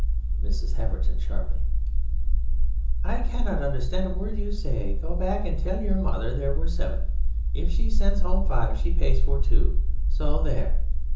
MRS. HAVERTON (sharply): I cannot understand a word you say. Go back and tell your mother there were seven. And if she sends home five she pays for two. So there!